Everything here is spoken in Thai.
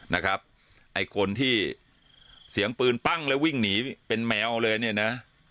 นะครับไอ้คนที่เสียงปืนปั้งแล้ววิ่งหนีเป็นแมวเลยเนี่ยนะ